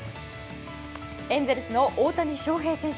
エンゼルスの大谷翔平選手